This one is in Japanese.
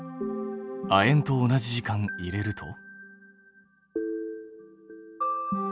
亜鉛と同じ時間入れると？